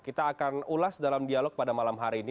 kita akan ulas dalam dialog pada malam hari ini